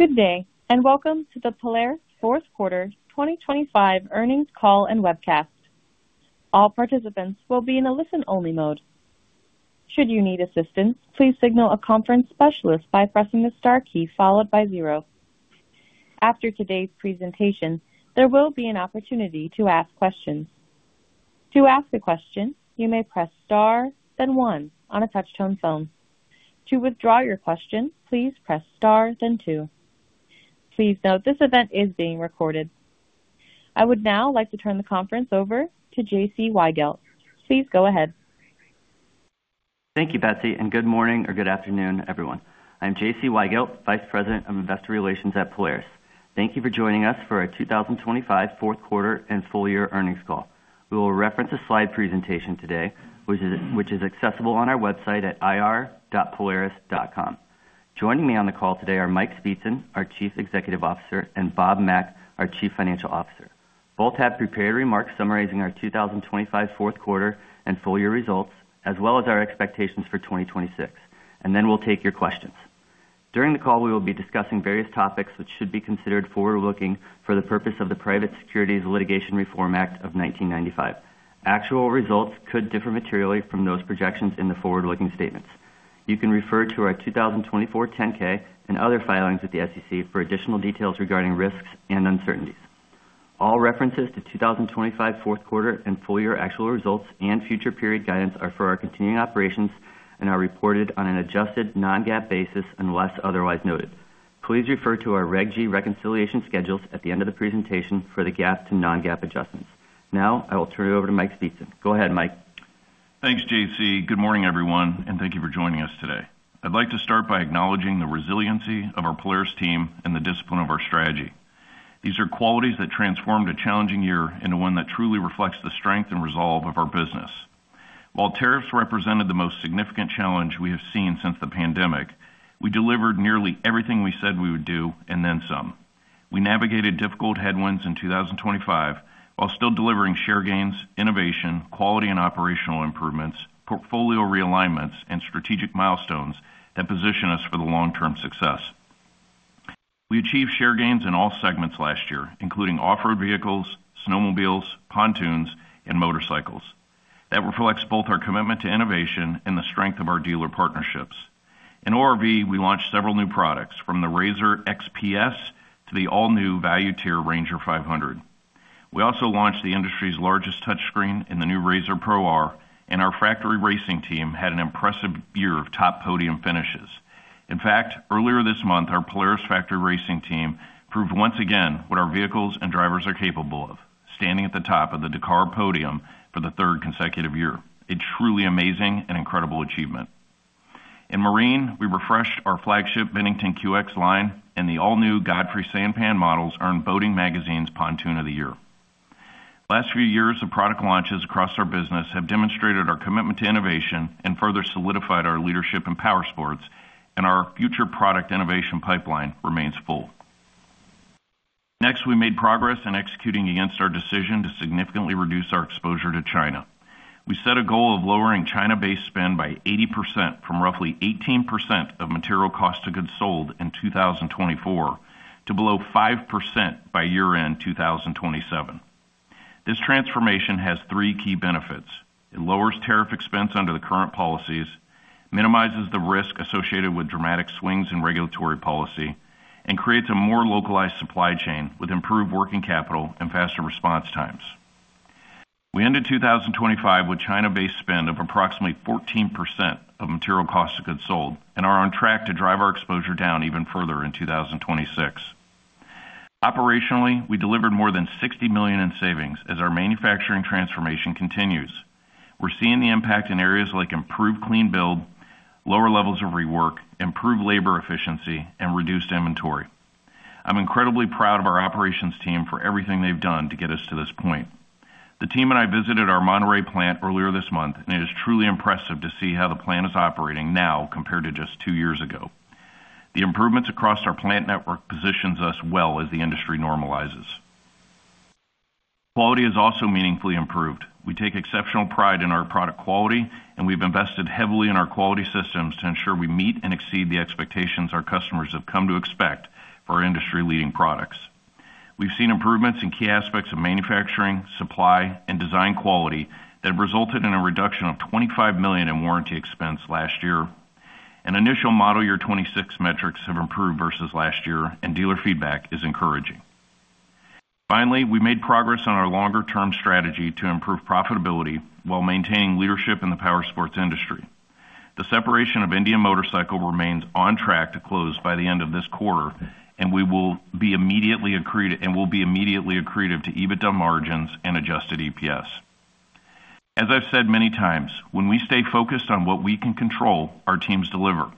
Good day, and welcome to the Polaris Q4 2025 earnings call and webcast. All participants will be in a listen-only mode. Should you need assistance, please signal a conference specialist by pressing the star key followed by zero. After today's presentation, there will be an opportunity to ask questions. To ask a question, you may press star, then one on a touch-tone phone. To withdraw your question, please press star, then two. Please note this event is being recorded. I would now like to turn the conference over to J.C. Weigelt. Please go ahead. Thank you, Betsy, and good morning or good afternoon, everyone. I'm J.C. Weigelt, Vice President of Investor Relations at Polaris. Thank you for joining us for our 2025 Q4 and Full Year Earnings Call. We will reference a slide presentation today, which is accessible on our website at ir.polaris.com. Joining me on the call today are Mike Speetzen, our Chief Executive Officer, and Bob Mack, our Chief Financial Officer. Both have prepared remarks summarizing our 2025 Fourth Quarter and Full Year results, as well as our expectations for 2026, and then we'll take your questions. During the call, we will be discussing various topics which should be considered forward-looking for the purpose of the Private Securities Litigation Reform Act of 1995. Actual results could differ materially from those projections in the forward-looking statements. You can refer to our 2024 10-K and other filings at the SEC for additional details regarding risks and uncertainties. All references to 2025 Q4 and Full Year actual results and future period guidance are for our continuing operations and are reported on an adjusted non-GAAP basis unless otherwise noted. Please refer to our Reg G reconciliation schedules at the end of the presentation for the GAAP to non-GAAP adjustments. Now, I will turn it over to Mike Speetzen. Go ahead, Mike. Thanks, J.C. Good morning, everyone, and thank you for joining us today. I'd like to start by acknowledging the resiliency of our Polaris team and the discipline of our strategy. These are qualities that transformed a challenging year into one that truly reflects the strength and resolve of our business. While tariffs represented the most significant challenge we have seen since the pandemic, we delivered nearly everything we said we would do, and then some. We navigated difficult headwinds in 2025 while still delivering share gains, innovation, quality and operational improvements, portfolio realignments, and strategic milestones that position us for the long-term success. We achieved share gains in all segments last year, including off-road vehicles, snowmobiles, pontoons, and motorcycles. That reflects both our commitment to innovation and the strength of our dealer partnerships. In ORV, we launched several new products, from the RZR XP to the all-new Value Tier Ranger 500. We also launched the industry's largest touchscreen and the new RZR Pro R, and our factory racing team had an impressive year of top podium finishes. In fact, earlier this month, our Polaris Factory Racing team proved once again what our vehicles and drivers are capable of, standing at the top of the Dakar podium for the third consecutive year. A truly amazing and incredible achievement. In marine, we refreshed our flagship Bennington QX line, and the all-new Godfrey Sanpan models earned Boating Magazine's Pontoon of the Year. Last few years of product launches across our business have demonstrated our commitment to innovation and further solidified our leadership in powersports, and our future product innovation pipeline remains full. Next, we made progress in executing against our decision to significantly reduce our exposure to China. We set a goal of lowering China-based spend by 80% from roughly 18% of material cost of goods sold in 2024 to below 5% by year-end 2027. This transformation has three key benefits. It lowers tariff expense under the current policies, minimizes the risk associated with dramatic swings in regulatory policy, and creates a more localized supply chain with improved working capital and faster response times. We ended 2025 with China-based spend of approximately 14% of material cost of goods sold and are on track to drive our exposure down even further in 2026. Operationally, we delivered more than $60 million in savings as our manufacturing transformation continues. We're seeing the impact in areas like improved clean build, lower levels of rework, improved labor efficiency, and reduced inventory. I'm incredibly proud of our operations team for everything they've done to get us to this point. The team and I visited our Monterrey plant earlier this month, and it is truly impressive to see how the plant is operating now compared to just two years ago. The improvements across our plant network position us well as the industry normalizes. Quality has also meaningfully improved. We take exceptional pride in our product quality, and we've invested heavily in our quality systems to ensure we meet and exceed the expectations our customers have come to expect for our industry-leading products. We've seen improvements in key aspects of manufacturing, supply, and design quality that have resulted in a reduction of $25 million in warranty expense last year. Initial model year 2026 metrics have improved versus last year, and dealer feedback is encouraging. Finally, we made progress on our longer-term strategy to improve profitability while maintaining leadership in the powersports industry. The separation of Indian Motorcycle remains on track to close by the end of this quarter, and we will be immediately accretive to EBITDA margins and adjusted EPS. As I've said many times, when we stay focused on what we can control, our teams deliver.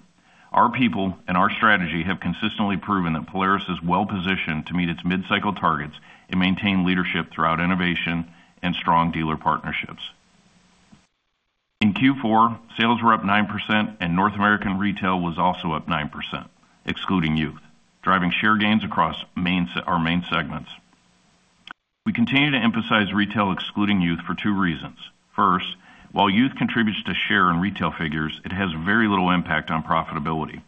Our people and our strategy have consistently proven that Polaris is well-positioned to meet its mid-cycle targets and maintain leadership through innovation and strong dealer partnerships. In Q4, sales were up 9%, and North American retail was also up 9%, excluding youth, driving share gains across our main segments. We continue to emphasize retail excluding youth for two reasons. First, while youth contributes to share and retail figures, it has very little impact on profitability.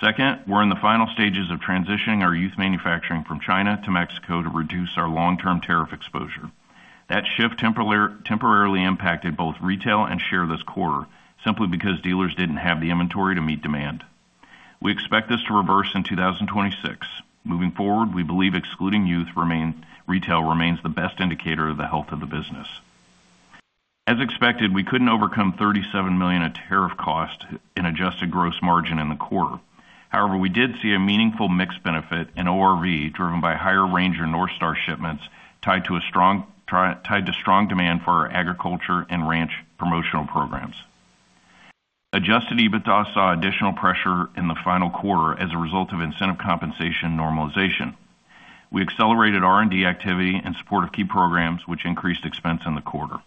Second, we're in the final stages of transitioning our youth manufacturing from China to Mexico to reduce our long-term tariff exposure. That shift temporarily impacted both retail and share this quarter simply because dealers didn't have the inventory to meet demand. We expect this to reverse in 2026. Moving forward, we believe excluding youth retail remains the best indicator of the health of the business. As expected, we couldn't overcome $37 million in tariff costs and adjusted gross margin in the quarter. However, we did see a meaningful mix benefit in ORV driven by higher Ranger and NorthStar shipments tied to strong demand for our agriculture and ranch promotional programs. Adjusted EBITDA saw additional pressure in the final quarter as a result of incentive compensation normalization. We accelerated R&D activity in support of key programs, which increased expense in the quarter.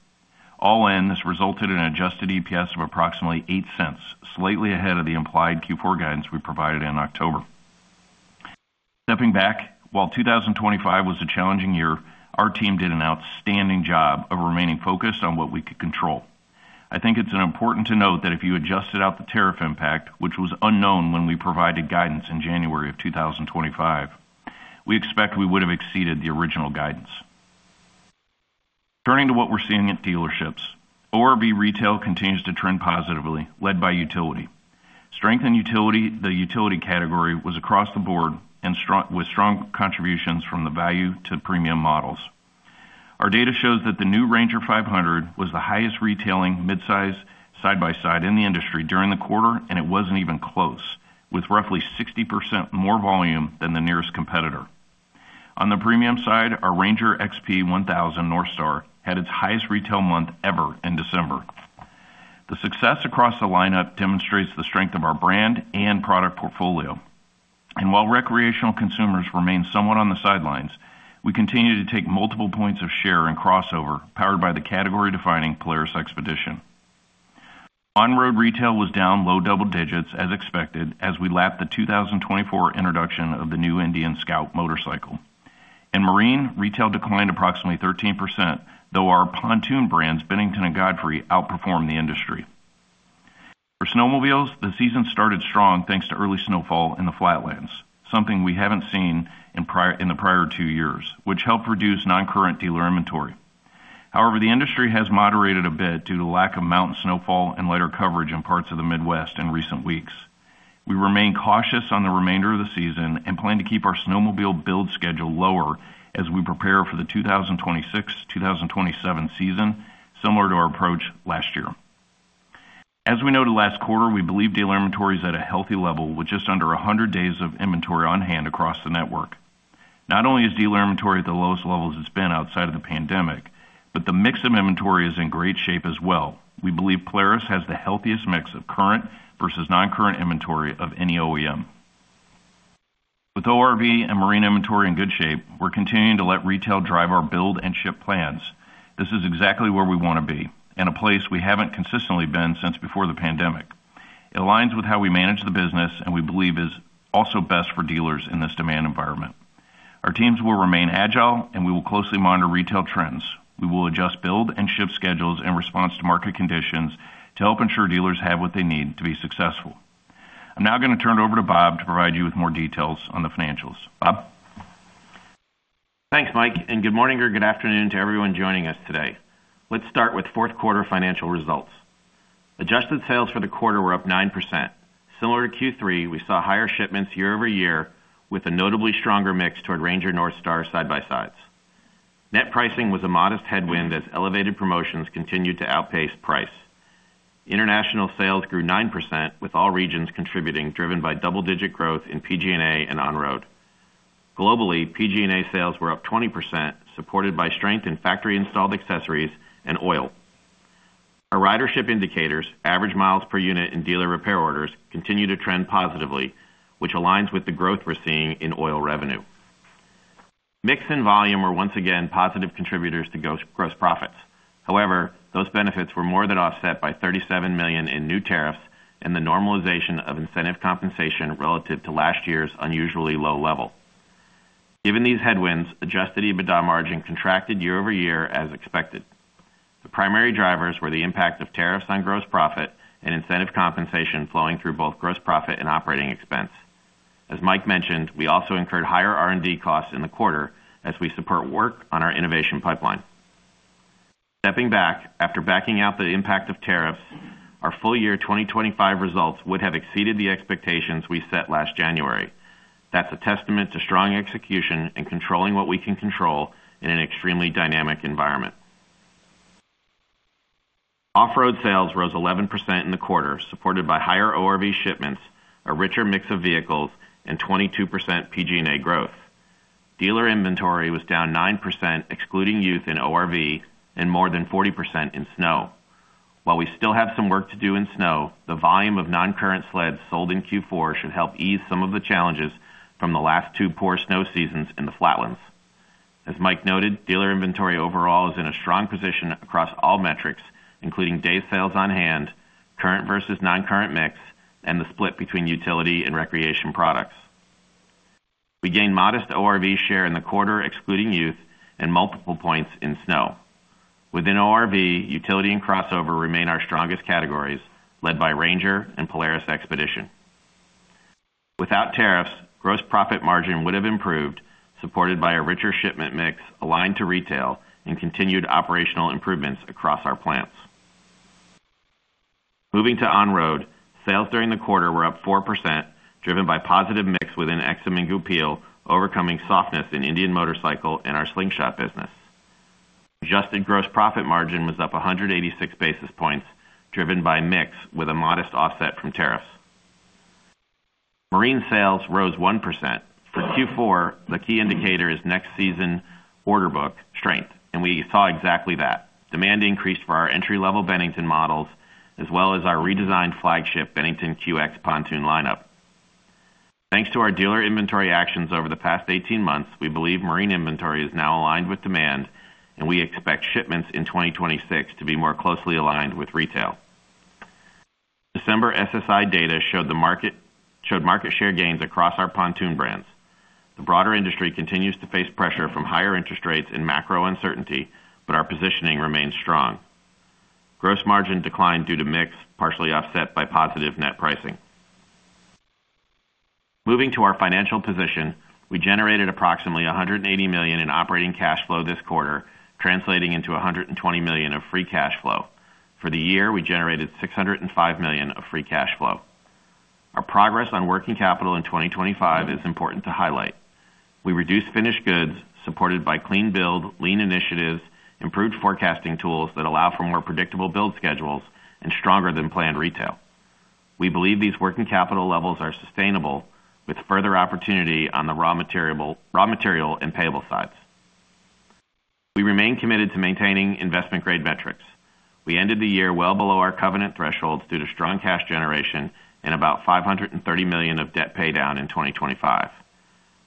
All in, this resulted in an Adjusted EPS of approximately $0.08, slightly ahead of the implied Q4 guidance we provided in October. Stepping back, while 2025 was a challenging year, our team did an outstanding job of remaining focused on what we could control. I think it's important to note that if you adjusted out the tariff impact, which was unknown when we provided guidance in January of 2025, we expect we would have exceeded the original guidance. Turning to what we're seeing at dealerships, ORV retail continues to trend positively, led by utility. Strength in utility, the utility category, was across the board with strong contributions from the value to premium models. Our data shows that the new Ranger 500 was the highest retailing midsize side-by-side in the industry during the quarter, and it wasn't even close, with roughly 60% more volume than the nearest competitor. On the premium side, our Ranger XP 1000 NorthStar had its highest retail month ever in December. The success across the lineup demonstrates the strength of our brand and product portfolio. And while recreational consumers remain somewhat on the sidelines, we continue to take multiple points of share and crossover powered by the category-defining Polaris XPEDITION. On-road retail was down low double digits, as expected, as we lapped the 2024 introduction of the new Indian Scout motorcycle. In marine, retail declined approximately 13%, though our pontoon brands, Bennington and Godfrey, outperformed the industry. For snowmobiles, the season started strong thanks to early snowfall in the flatlands, something we haven't seen in the prior two years, which helped reduce non-current dealer inventory. However, the industry has moderated a bit due to lack of mountain snowfall and lighter coverage in parts of the Midwest in recent weeks. We remain cautious on the remainder of the season and plan to keep our snowmobile build schedule lower as we prepare for the 2026-2027 season, similar to our approach last year. As we noted last quarter, we believe dealer inventory is at a healthy level with just under 100 days of inventory on hand across the network. Not only is dealer inventory at the lowest levels it's been outside of the pandemic, but the mix of inventory is in great shape as well. We believe Polaris has the healthiest mix of current versus non-current inventory of any OEM. With ORV and marine inventory in good shape, we're continuing to let retail drive our build and ship plans. This is exactly where we want to be, and a place we haven't consistently been since before the pandemic. It aligns with how we manage the business and we believe is also best for dealers in this demand environment. Our teams will remain agile, and we will closely monitor retail trends. We will adjust build and ship schedules in response to market conditions to help ensure dealers have what they need to be successful. I'm now going to turn it over to Bob to provide you with more details on the financials. Bob? Thanks, Mike, and good morning or good afternoon to everyone joining us today. Let's start with fourth quarter financial results. Adjusted sales for the quarter were up 9%. Similar to Q3, we saw higher shipments year-over-year with a notably stronger mix toward Ranger NorthStar side-by-sides. Net pricing was a modest headwind as elevated promotions continued to outpace price. International sales grew 9% with all regions contributing, driven by double-digit growth in PG&A and on-road. Globally, PG&A sales were up 20%, supported by strength in factory-installed accessories and oil. Our ridership indicators, average miles per unit and dealer repair orders, continue to trend positively, which aligns with the growth we're seeing in oil revenue. Mix and volume were once again positive contributors to gross profits. However, those benefits were more than offset by $37 million in new tariffs and the normalization of incentive compensation relative to last year's unusually low level. Given these headwinds, adjusted EBITDA margin contracted year-over-year as expected. The primary drivers were the impact of tariffs on gross profit and incentive compensation flowing through both gross profit and operating expense. As Mike mentioned, we also incurred higher R&D costs in the quarter as we support work on our innovation pipeline. Stepping back, after backing out the impact of tariffs, our full year 2025 results would have exceeded the expectations we set last January. That's a testament to strong execution and controlling what we can control in an extremely dynamic environment. Off-road sales rose 11% in the quarter, supported by higher ORV shipments, a richer mix of vehicles, and 22% PG&A growth. Dealer inventory was down 9%, excluding youth in ORV, and more than 40% in snow. While we still have some work to do in snow, the volume of non-current sleds sold in Q4 should help ease some of the challenges from the last 2 poor snow seasons in the flatlands. As Mike noted, dealer inventory overall is in a strong position across all metrics, including days sales on hand, current versus non-current mix, and the split between utility and recreation products. We gained modest ORV share in the quarter, excluding youth, and multiple points in snow. Within ORV, utility and crossover remain our strongest categories, led by Ranger and Polaris XPEDITION. Without tariffs, gross profit margin would have improved, supported by a richer shipment mix aligned to retail and continued operational improvements across our plants. Moving to on-road, sales during the quarter were up 4%, driven by positive mix within Aixam and Goupil, overcoming softness in Indian Motorcycle and our Slingshot business. Adjusted gross profit margin was up 186 basis points, driven by mix with a modest offset from tariffs. Marine sales rose 1%. For Q4, the key indicator is next season order book strength, and we saw exactly that. Demand increased for our entry-level Bennington models, as well as our redesigned flagship Bennington QX pontoon lineup. Thanks to our dealer inventory actions over the past 18 months, we believe marine inventory is now aligned with demand, and we expect shipments in 2026 to be more closely aligned with retail. December SSI data showed market share gains across our pontoon brands. The broader industry continues to face pressure from higher interest rates and macro uncertainty, but our positioning remains strong. Gross margin declined due to mix, partially offset by positive net pricing. Moving to our financial position, we generated approximately $180 million in operating cash flow this quarter, translating into $120 million of free cash flow. For the year, we generated $605 million of free cash flow. Our progress on working capital in 2025 is important to highlight. We reduced finished goods, supported by Clean Build, Lean initiatives, improved forecasting tools that allow for more predictable build schedules, and stronger than planned retail. We believe these working capital levels are sustainable, with further opportunity on the raw material and payable sides. We remain committed to maintaining investment-grade metrics. We ended the year well below our covenant thresholds due to strong cash generation and about $530 million of debt paydown in 2025.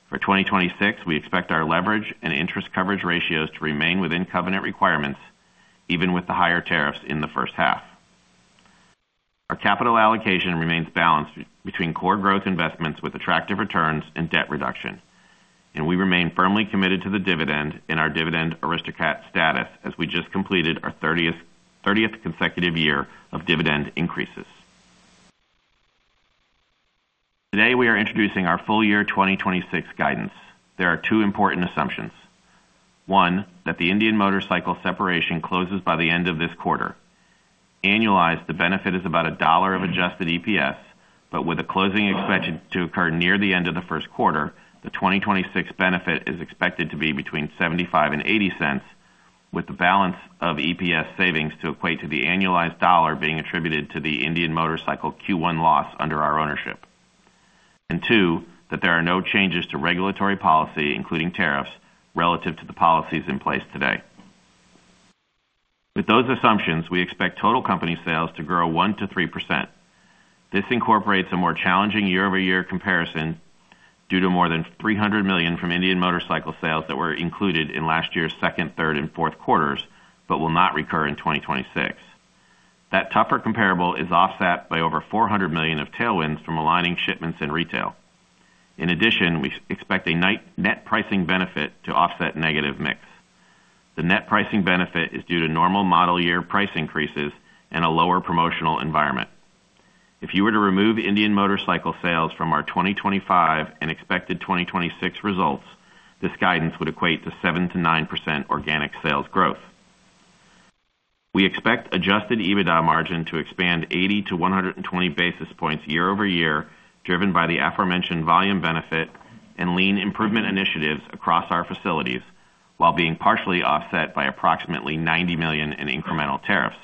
For 2026, we expect our leverage and interest coverage ratios to remain within covenant requirements, even with the higher tariffs in the first half. Our capital allocation remains balanced between core growth investments with attractive returns and debt reduction. We remain firmly committed to the dividend in our Dividend Aristocrat status as we just completed our 30th consecutive year of dividend increases. Today, we are introducing our full year 2026 guidance. There are two important assumptions. One, that the Indian Motorcycle separation closes by the end of this quarter. Annualized, the benefit is about $1 of Adjusted EPS, but with a closing expected to occur near the end of the first quarter, the 2026 benefit is expected to be between $0.75 and $0.80, with the balance of EPS savings to equate to the annualized $1 being attributed to the Indian Motorcycle Q1 loss under our ownership. And two, that there are no changes to regulatory policy, including tariffs, relative to the policies in place today. With those assumptions, we expect total company sales to grow 1%-3%. This incorporates a more challenging year-over-year comparison due to more than $300 million from Indian Motorcycle sales that were included in last year's second, third, and Q4, but will not recur in 2026. That tougher comparable is offset by over $400 million of tailwinds from aligning shipments and retail. In addition, we expect a net pricing benefit to offset negative mix. The net pricing benefit is due to normal model year price increases and a lower promotional environment. If you were to remove Indian Motorcycle sales from our 2025 and expected 2026 results, this guidance would equate to 7%-9% organic sales growth. We expect Adjusted EBITDA margin to expand 80-120 basis points year-over-year, driven by the aforementioned volume benefit and Lean improvement initiatives across our facilities, while being partially offset by approximately $90 million in incremental tariffs.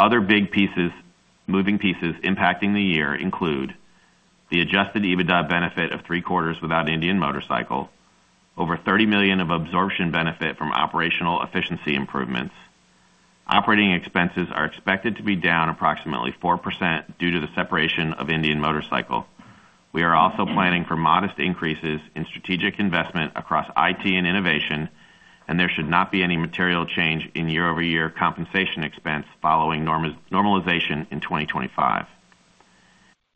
Other big moving pieces impacting the year include the Adjusted EBITDA benefit of three quarters without Indian Motorcycle, over $30 million of absorption benefit from operational efficiency improvements. Operating expenses are expected to be down approximately 4% due to the separation of Indian Motorcycle. We are also planning for modest increases in strategic investment across IT and innovation, and there should not be any material change in year-over-year compensation expense following normalization in 2025.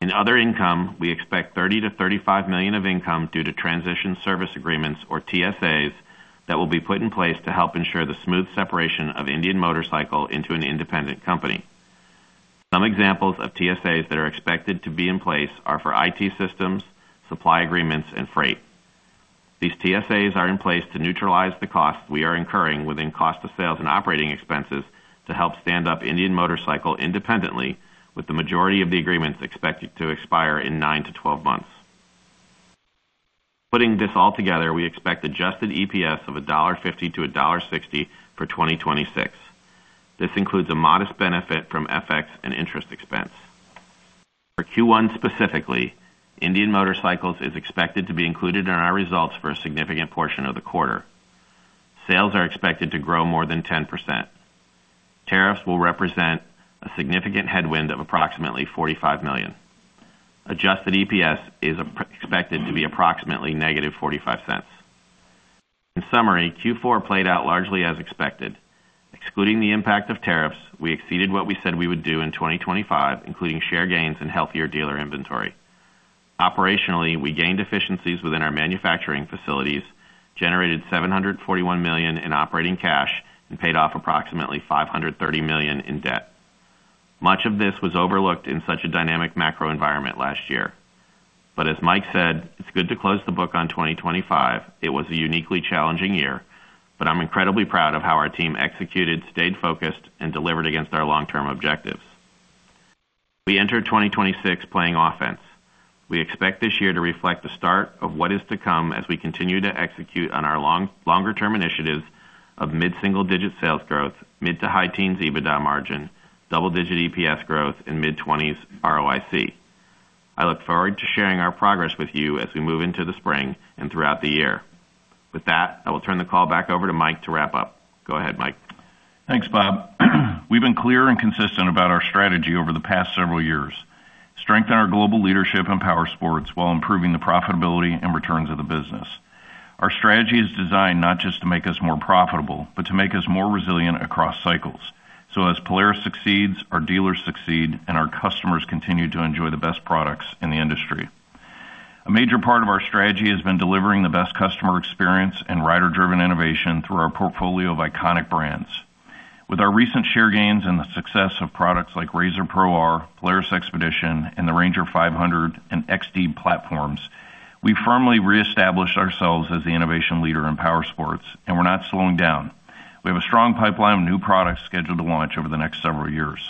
In other income, we expect $30 million-$35 million of income due to transition service agreements, or TSAs, that will be put in place to help ensure the smooth separation of Indian Motorcycle into an independent company. Some examples of TSAs that are expected to be in place are for IT systems, supply agreements, and freight. These TSAs are in place to neutralize the costs we are incurring within cost of sales and operating expenses to help stand up Indian Motorcycle independently, with the majority of the agreements expected to expire in nine to 12 months. Putting this all together, we expect Adjusted EPS of $1.50-$1.60 for 2026. This includes a modest benefit from FX and interest expense. For Q1 specifically, Indian Motorcycle is expected to be included in our results for a significant portion of the quarter. Sales are expected to grow more than 10%. Tariffs will represent a significant headwind of approximately $45 million. Adjusted EPS is expected to be approximately -$0.45. In summary, Q4 played out largely as expected. Excluding the impact of tariffs, we exceeded what we said we would do in 2025, including share gains and healthier dealer inventory. Operationally, we gained efficiencies within our manufacturing facilities, generated $741 million in operating cash, and paid off approximately $530 million in debt. Much of this was overlooked in such a dynamic macro environment last year. But as Mike said, it's good to close the book on 2025. It was a uniquely challenging year, but I'm incredibly proud of how our team executed, stayed focused, and delivered against our long-term objectives. We entered 2026 playing offense. We expect this year to reflect the start of what is to come as we continue to execute on our longer-term initiatives of mid-single-digit sales growth, mid- to high-teens EBITDA margin, double-digit EPS growth, and mid-20s ROIC. I look forward to sharing our progress with you as we move into the spring and throughout the year. With that, I will turn the call back over to Mike to wrap up. Go ahead, Mike. Thanks, Bob. We've been clear and consistent about our strategy over the past several years: strengthen our global leadership and powersports while improving the profitability and returns of the business. Our strategy is designed not just to make us more profitable, but to make us more resilient across cycles. So as Polaris succeeds, our dealers succeed, and our customers continue to enjoy the best products in the industry. A major part of our strategy has been delivering the best customer experience and rider-driven innovation through our portfolio of iconic brands. With our recent share gains and the success of products like RZR Pro R, Polaris XPEDITION, and the Ranger 500 and XD platforms, we firmly reestablished ourselves as the innovation leader in powersports, and we're not slowing down. We have a strong pipeline of new products scheduled to launch over the next several years.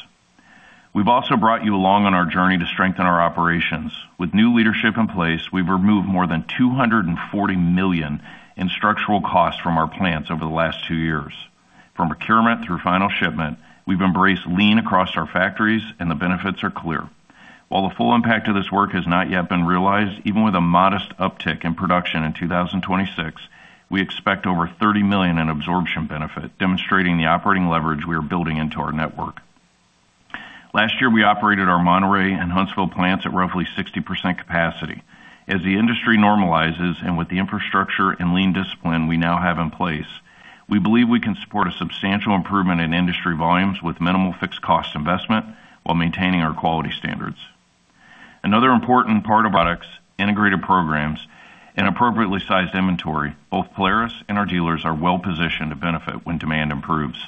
We've also brought you along on our journey to strengthen our operations. With new leadership in place, we've removed more than $240 million in structural costs from our plants over the last two years. From procurement through final shipment, we've embraced lean across our factories, and the benefits are clear. While the full impact of this work has not yet been realized, even with a modest uptick in production in 2026, we expect over $30 million in absorption benefit, demonstrating the operating leverage we are building into our network. Last year, we operated our Monterrey and Huntsville plants at roughly 60% capacity. As the industry normalizes and with the infrastructure and lean discipline we now have in place, we believe we can support a substantial improvement in industry volumes with minimal fixed cost investment while maintaining our quality standards. Another important part of products, integrated programs, and appropriately sized inventory, both Polaris and our dealers are well-positioned to benefit when demand improves.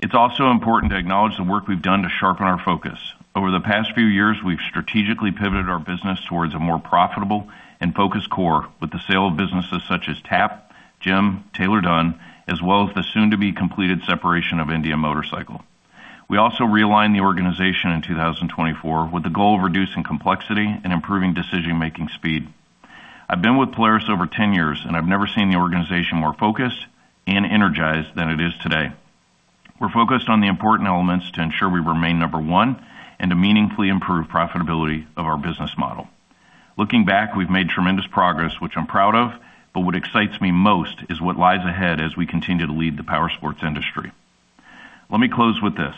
It's also important to acknowledge the work we've done to sharpen our focus. Over the past few years, we've strategically pivoted our business towards a more profitable and focused core with the sale of businesses such as TAP, GEM, Taylor-Dunn, as well as the soon-to-be-completed separation of Indian Motorcycle. We also realigned the organization in 2024 with the goal of reducing complexity and improving decision-making speed. I've been with Polaris over 10 years, and I've never seen the organization more focused and energized than it is today. We're focused on the important elements to ensure we remain number one and to meaningfully improve profitability of our business model. Looking back, we've made tremendous progress, which I'm proud of, but what excites me most is what lies ahead as we continue to lead the power sports industry. Let me close with this: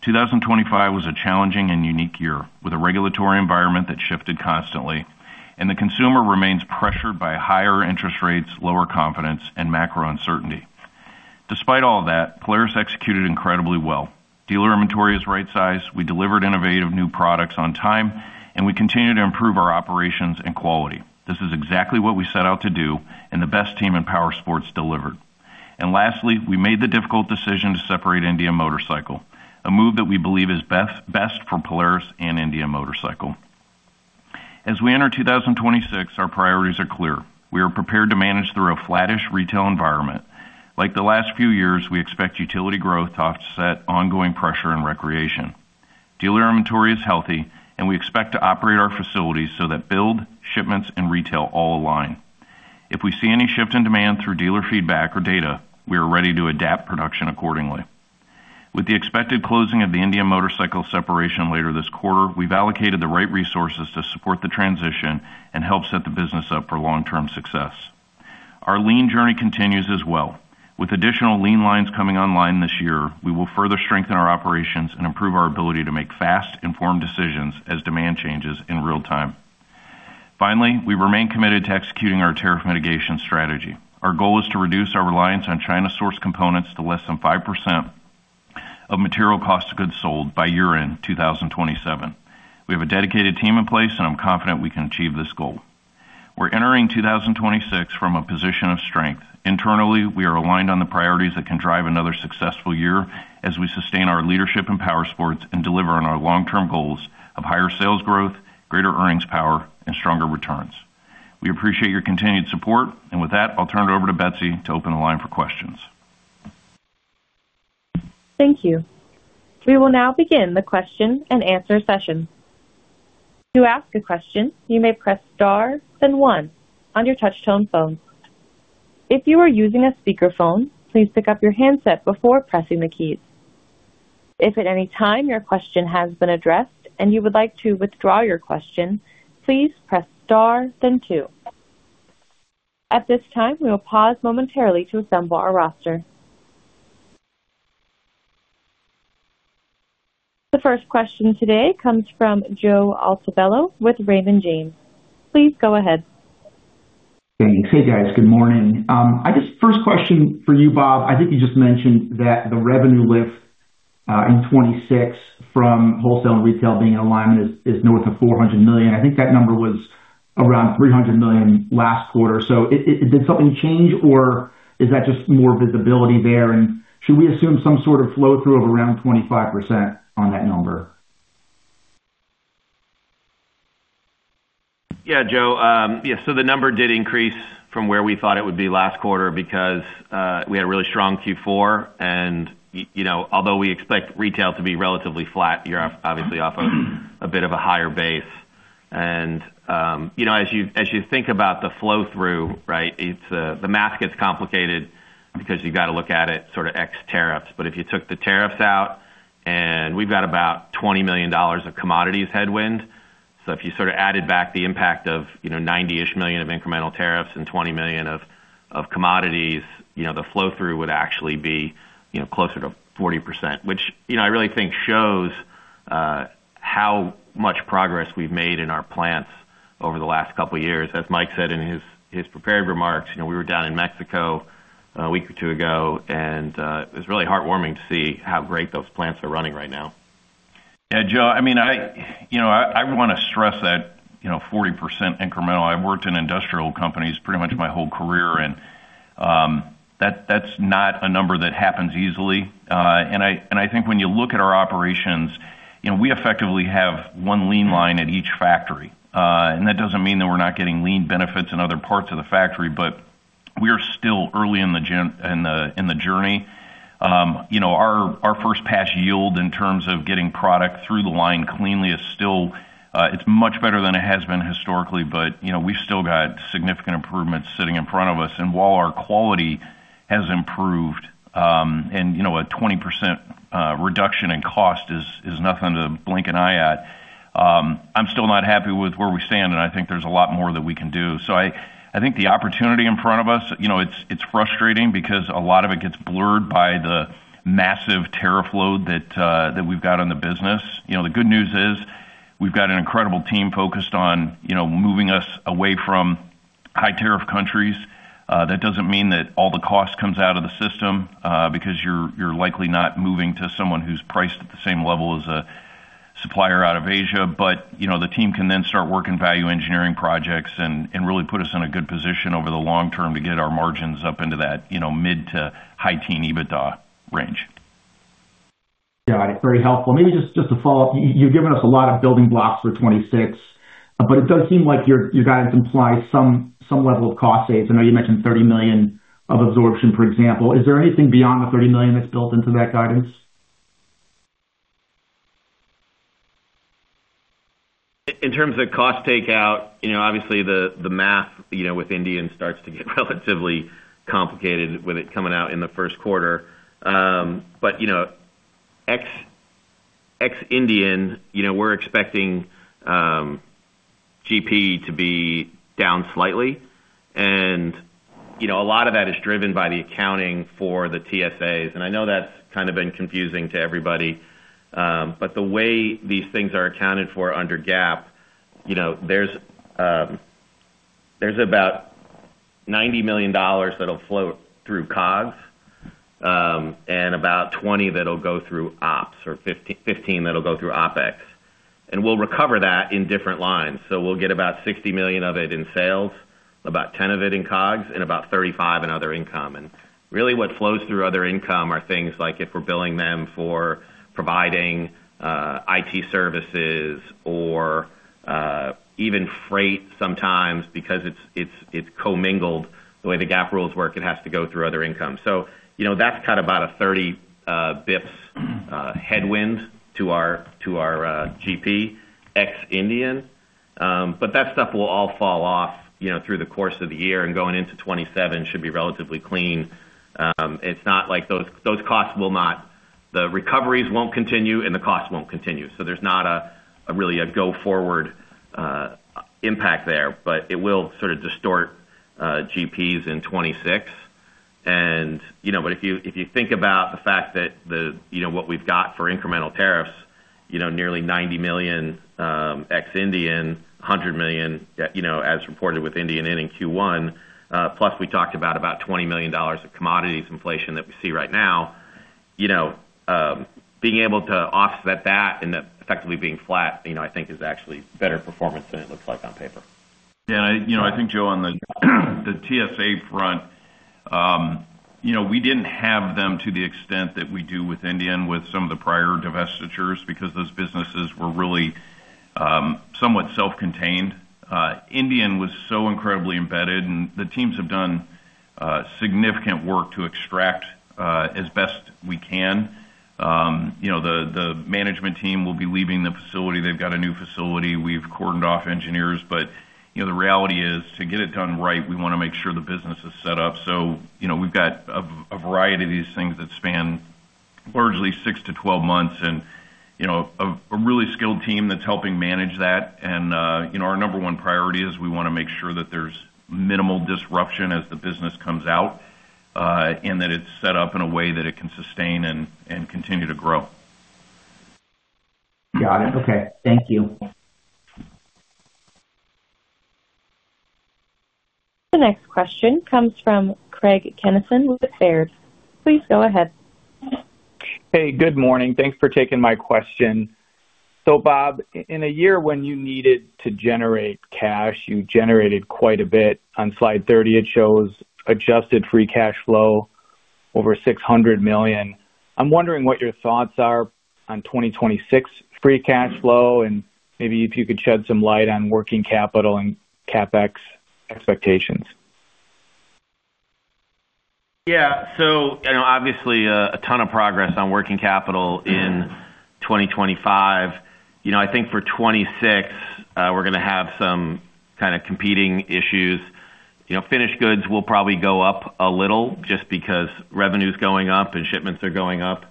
2025 was a challenging and unique year with a regulatory environment that shifted constantly, and the consumer remains pressured by higher interest rates, lower confidence, and macro uncertainty. Despite all that, Polaris executed incredibly well. Dealer inventory is right-sized, we delivered innovative new products on time, and we continue to improve our operations and quality. This is exactly what we set out to do, and the best team in power sports delivered. Lastly, we made the difficult decision to separate Indian Motorcycle, a move that we believe is best for Polaris and Indian Motorcycle. As we enter 2026, our priorities are clear. We are prepared to manage through a flattish retail environment. Like the last few years, we expect utility growth to offset ongoing pressure in recreation. Dealer inventory is healthy, and we expect to operate our facilities so that build, shipments, and retail all align. If we see any shift in demand through dealer feedback or data, we are ready to adapt production accordingly. With the expected closing of the Indian Motorcycle separation later this quarter, we've allocated the right resources to support the transition and help set the business up for long-term success. Our lean journey continues as well. With additional lean lines coming online this year, we will further strengthen our operations and improve our ability to make fast, informed decisions as demand changes in real time. Finally, we remain committed to executing our tariff mitigation strategy. Our goal is to reduce our reliance on China-sourced components to less than 5% of material cost of goods sold by year-end 2027. We have a dedicated team in place, and I'm confident we can achieve this goal. We're entering 2026 from a position of strength. Internally, we are aligned on the priorities that can drive another successful year as we sustain our leadership in power sports and deliver on our long-term goals of higher sales growth, greater earnings power, and stronger returns. We appreciate your continued support, and with that, I'll turn it over to Betsy to open the line for questions. Thank you. We will now begin the question and answer session. To ask a question, you may press star then one on your touch-tone phone. If you are using a speakerphone, please pick up your handset before pressing the keys. If at any time your question has been addressed and you would like to withdraw your question, please press star then two. At this time, we will pause momentarily to assemble our roster. The first question today comes from Joe Altobello with Raymond James. Please go ahead. Thanks. Hey, guys. Good morning. I guess first question for you, Bob, I think you just mentioned that the revenue lift in 2026 from wholesale and retail being in alignment is north of $400 million. I think that number was around $300 million last quarter. So did something change, or is that just more visibility there? And should we assume some sort of flow-through of around 25% on that number? Yeah, Joe. Yeah, so the number did increase from where we thought it would be last quarter because we had a really strong Q4. And although we expect retail to be relatively flat, you're obviously off of a bit of a higher base. And as you think about the flow-through, right, the math gets complicated because you've got to look at it sort of ex tariffs. But if you took the tariffs out, and we've got about $20 million of commodities headwind. So if you sort of added back the impact of $90-ish million of incremental tariffs and $20 million of commodities, the flow-through would actually be closer to 40%, which I really think shows how much progress we've made in our plants over the last couple of years. As Mike said in his prepared remarks, we were down in Mexico a week or two ago, and it was really heartwarming to see how great those plants are running right now. Yeah, Joe, I mean, I want to stress that 40% incremental. I've worked in industrial companies pretty much my whole career, and that's not a number that happens easily. And I think when you look at our operations, we effectively have one Lean line at each factory. And that doesn't mean that we're not getting Lean benefits in other parts of the factory, but we are still early in the journey. Our first-pass yield in terms of getting product through the line cleanly is still, it's much better than it has been historically, but we've still got significant improvements sitting in front of us. And while our quality has improved and a 20% reduction in cost is nothing to blink an eye at, I'm still not happy with where we stand, and I think there's a lot more that we can do. So I think the opportunity in front of us, it's frustrating because a lot of it gets blurred by the massive tariff load that we've got on the business. The good news is we've got an incredible team focused on moving us away from high-tariff countries. That doesn't mean that all the cost comes out of the system because you're likely not moving to someone who's priced at the same level as a supplier out of Asia. But the team can then start working value engineering projects and really put us in a good position over the long term to get our margins up into that mid to high-teen EBITDA range. Got it. Very helpful. Maybe just to follow up, you've given us a lot of building blocks for 2026, but it does seem like your guidance implies some level of cost savings. I know you mentioned $30 million of absorption, for example. Is there anything beyond the $30 million that's built into that guidance? In terms of cost takeout, obviously the math with Indian starts to get relatively complicated with it coming out in the first quarter. But ex-Indian, we're expecting GP to be down slightly. And a lot of that is driven by the accounting for the TSAs. And I know that's kind of been confusing to everybody. But the way these things are accounted for under GAAP, there's about $90 million that'll flow through COGS and about $20 million that'll go through OPS or $15 million that'll go through OpEx. And we'll recover that in different lines. So we'll get about $60 million of it in sales, about $10 million of it in COGS, and about $35 million in other income. And really what flows through other income are things like if we're billing them for providing IT services or even freight sometimes because it's co-mingled. The way the GAAP rules work, it has to go through other income. So that's kind of about 30 basis points headwind to our GP ex-Indian. But that stuff will all fall off through the course of the year and going into 2027 should be relatively clean. It's not like those costs will not, the recoveries won't continue and the costs won't continue. So there's not really a go-forward impact there, but it will sort of distort GPs in 2026. And if you think about the fact that what we've got for incremental tariffs, nearly $90 million ex-Indian, $100 million, as reported with Indian in Q1, plus we talked about about $20 million of commodities inflation that we see right now, being able to offset that and effectively being flat, I think is actually better performance than it looks like on paper. Yeah, and I think, Joe, on the TSA front, we didn't have them to the extent that we do with Indian with some of the prior divestitures because those businesses were really somewhat self-contained. Indian was so incredibly embedded, and the teams have done significant work to extract as best we can. The management team will be leaving the facility. They've got a new facility. We've cordoned off engineers. But the reality is to get it done right, we want to make sure the business is set up. So we've got a variety of these things that span largely 6 months - 12 months and a really skilled team that's helping manage that. And our number one priority is we want to make sure that there's minimal disruption as the business comes out and that it's set up in a way that it can sustain and continue to grow. Got it. Okay. Thank you. The next question comes from Craig Kennison with Baird. Please go ahead. Hey, good morning. Thanks for taking my question. So Bob, in a year when you needed to generate cash, you generated quite a bit. On slide 30, it shows adjusted free cash flow over $600 million. I'm wondering what your thoughts are on 2026 free cash flow and maybe if you could shed some light on working capital and CapEx expectations. Yeah. So obviously a ton of progress on working capital in 2025. I think for 2026, we're going to have some kind of competing issues. Finished goods will probably go up a little just because revenue's going up and shipments are going up.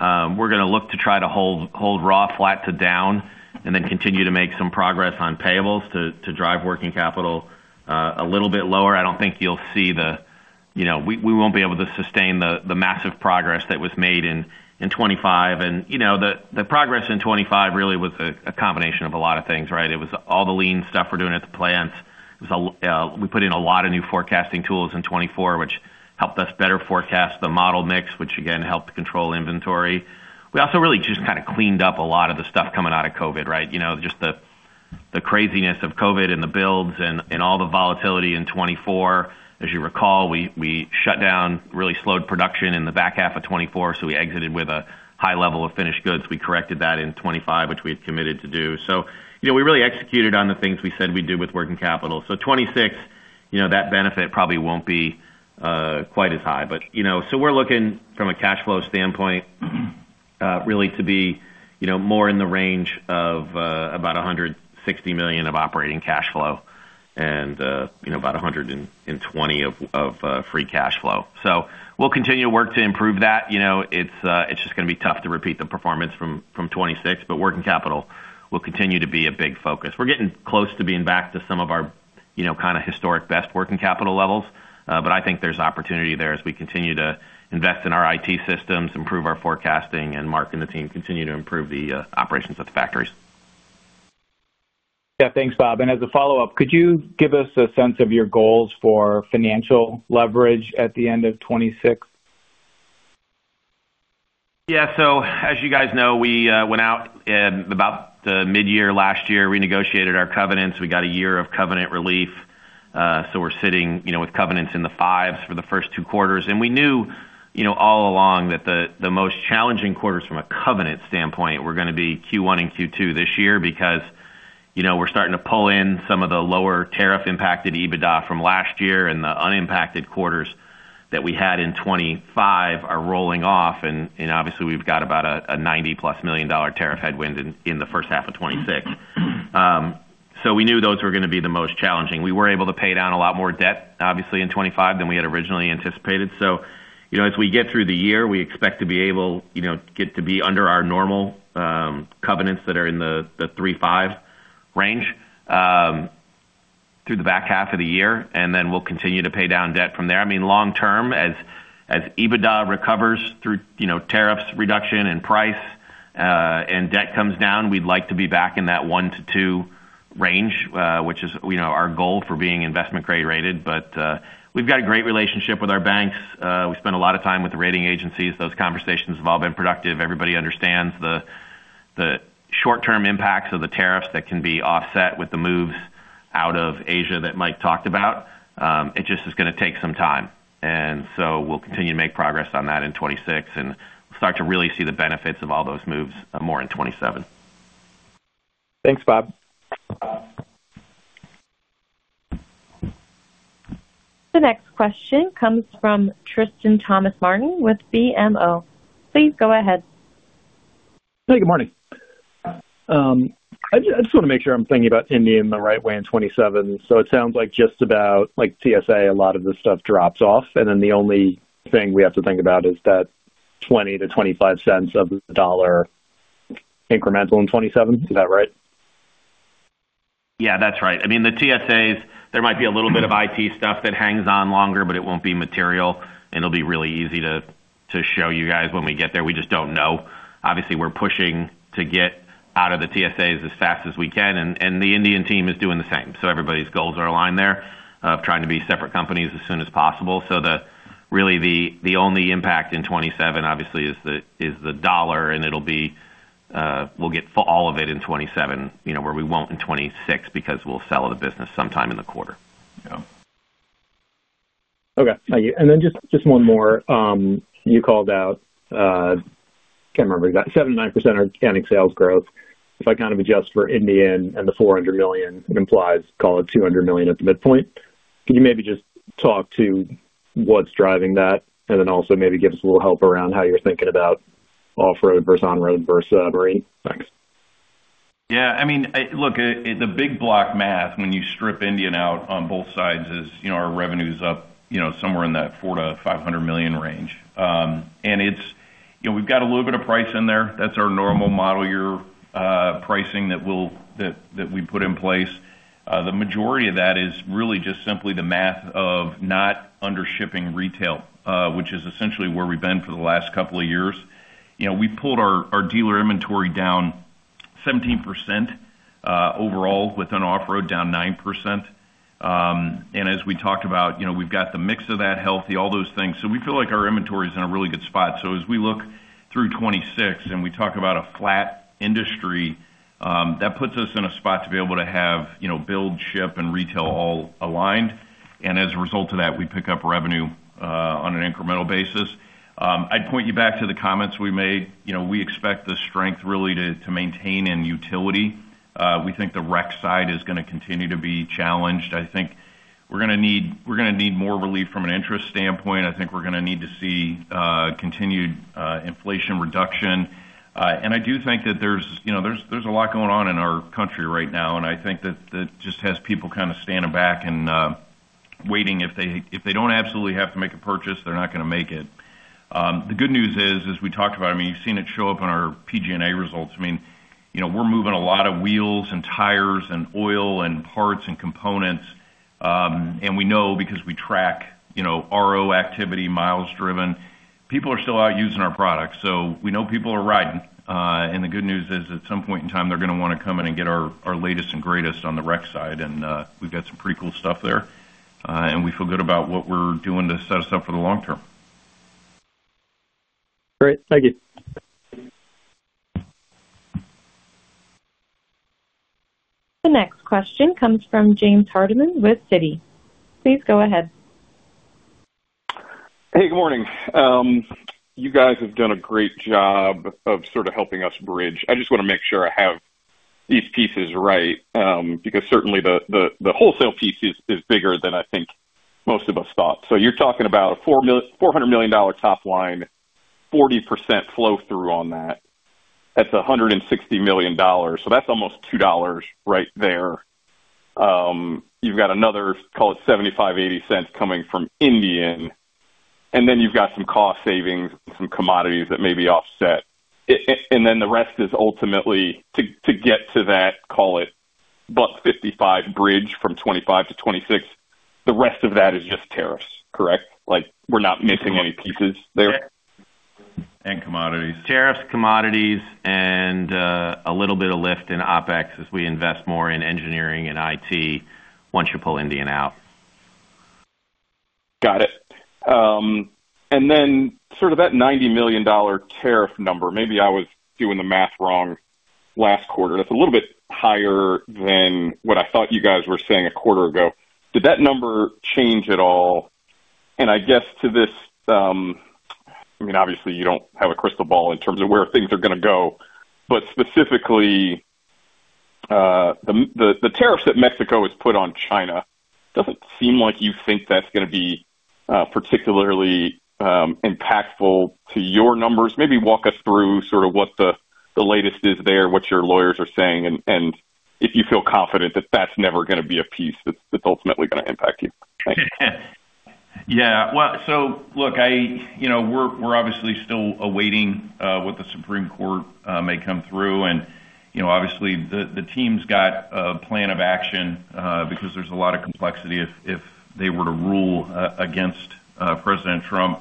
We're going to look to try to hold raw flat to down and then continue to make some progress on payables to drive working capital a little bit lower. I don't think you'll see, we won't be able to sustain the massive progress that was made in 2025. And the progress in 2025 really was a combination of a lot of things, right? It was all the lean stuff we're doing at the plants. We put in a lot of new forecasting tools in 2024, which helped us better forecast the model mix, which again helped control inventory. We also really just kind of cleaned up a lot of the stuff coming out of COVID, right? Just the craziness of COVID and the builds and all the volatility in 2024. As you recall, we shut down, really slowed production in the back half of 2024. So we exited with a high level of finished goods. We corrected that in 2025, which we had committed to do. So we really executed on the things we said we'd do with working capital. So 2026, that benefit probably won't be quite as high. But so we're looking from a cash flow standpoint really to be more in the range of about $160 million of operating cash flow and about $120 million of free cash flow. So we'll continue to work to improve that. It's just going to be tough to repeat the performance from 2026, but working capital will continue to be a big focus. We're getting close to being back to some of our kind of historic best working capital levels, but I think there's opportunity there as we continue to invest in our IT systems, improve our forecasting, and Mark and the team continue to improve the operations at the factories. Yeah, thanks, Bob. And as a follow-up, could you give us a sense of your goals for financial leverage at the end of 2026? Yeah. So as you guys know, we went out about the mid-year last year, renegotiated our covenants. We got a year of covenant relief. So we're sitting with covenants in the fives for the first two quarters. And we knew all along that the most challenging quarters from a covenant standpoint were going to be Q1 and Q2 this year because we're starting to pull in some of the lower tariff-impacted EBITDA from last year, and the unimpacted quarters that we had in 2025 are rolling off. And obviously, we've got about a +$90 million tariff headwind in the first half of 2026. So we knew those were going to be the most challenging. We were able to pay down a lot more debt, obviously, in 2025 than we had originally anticipated. So as we get through the year, we expect to be able to get to be under our normal covenants that are in the 3.5 range through the back half of the year, and then we'll continue to pay down debt from there. I mean, long-term, as EBITDA recovers through tariffs reduction and price and debt comes down, we'd like to be back in that 1 range-2 range, which is our goal for being investment-grade rated. But we've got a great relationship with our banks. We spend a lot of time with the rating agencies. Those conversations have all been productive. Everybody understands the short-term impacts of the tariffs that can be offset with the moves out of Asia that Mike talked about. It just is going to take some time. And so we'll continue to make progress on that in 2026, and we'll start to really see the benefits of all those moves more in 2027. Thanks, Bob. The next question comes from Tristan Thomas-Martin with BMO. Please go ahead. Hey, good morning. I just want to make sure I'm thinking about Indian the right way in 2027. So it sounds like just about like TSA, a lot of this stuff drops off. And then the only thing we have to think about is that $0.20-$0.25 incremental in 2027. Is that right? Yeah, that's right. I mean, the TSAs, there might be a little bit of IT stuff that hangs on longer, but it won't be material. And it'll be really easy to show you guys when we get there. We just don't know. Obviously, we're pushing to get out of the TSAs as fast as we can. And the Indian team is doing the same. So everybody's goals are aligned there of trying to be separate companies as soon as possible. So really the only impact in 2027, obviously, is the US dollar, and we'll get all of it in 2027 where we won't in 2026 because we'll sell the business sometime in the quarter. Yeah. Okay. Thank you. And then just one more. You called out, can't remember exactly, 79% organic sales growth. If I kind of adjust for Indian and the $400 million, it implies call it $200 million at the midpoint. Could you maybe just talk to what's driving that and then also maybe give us a little help around how you're thinking about off-road versus on-road versus marine? Thanks. Yeah. I mean, look, the big block math when you strip Indian out on both sides is our revenue is up somewhere in that $400 million-$500 million range. And we've got a little bit of price in there. That's our normal model year pricing that we put in place. The majority of that is really just simply the math of not undershipping retail, which is essentially where we've been for the last couple of years. We pulled our dealer inventory down 17% overall, with off-road down 9%. And as we talked about, we've got the mix of that healthy, all those things. So we feel like our inventory is in a really good spot. So as we look through 2026 and we talk about a flat industry, that puts us in a spot to be able to have build, ship, and retail all aligned. As a result of that, we pick up revenue on an incremental basis. I'd point you back to the comments we made. We expect the strength really to maintain in utility. We think the rec side is going to continue to be challenged. I think we're going to need more relief from an interest standpoint. I think we're going to need to see continued inflation reduction. I do think that there's a lot going on in our country right now. I think that just has people kind of standing back and waiting. If they don't absolutely have to make a purchase, they're not going to make it. The good news is, as we talked about, I mean, you've seen it show up on our PG&A results. I mean, we're moving a lot of wheels and tires and oil and parts and components. We know because we track RO activity, miles driven. People are still out using our product. So we know people are riding. The good news is at some point in time, they're going to want to come in and get our latest and greatest on the rec side. We've got some pretty cool stuff there. We feel good about what we're doing to set us up for the long term. Great. Thank you. The next question comes from James Hardiman with Citi. Please go ahead. Hey, good morning. You guys have done a great job of sort of helping us bridge. I just want to make sure I have these pieces right because certainly the wholesale piece is bigger than I think most of us thought. So you're talking about a $400 million top line, 40% flow-through on that. That's $160 million. So that's almost $2 right there. You've got another, call it $0.75-$0.80 coming from Indian. And then you've got some cost savings and some commodities that may be offset. And then the rest is ultimately to get to that, call it, $1.55 bridge from 2025 to 2026, the rest of that is just tariffs, correct? We're not missing any pieces there. And commodities. Tariffs, commodities, and a little bit of lift in OpEx as we invest more in engineering and IT once you pull Indian out. Got it. And then sort of that $90 million tariff number, maybe I was doing the math wrong last quarter. That's a little bit higher than what I thought you guys were saying a quarter ago. Did that number change at all? And I guess to this, I mean, obviously, you don't have a crystal ball in terms of where things are going to go. But specifically, the tariffs that Mexico has put on China doesn't seem like you think that's going to be particularly impactful to your numbers. Maybe walk us through sort of what the latest is there, what your lawyers are saying, and if you feel confident that that's never going to be a piece that's ultimately going to impact you. Thanks. Yeah. Well, so look, we're obviously still awaiting what the Supreme Court may come through. And obviously, the team's got a plan of action because there's a lot of complexity if they were to rule against President Trump.